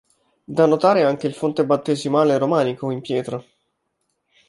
Da notare anche il fonte battesimale romanico in pietra.